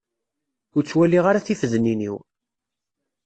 Ur ttwalliɣ ara tifednin-iw.